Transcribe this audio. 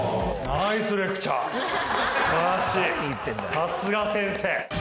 さすが先生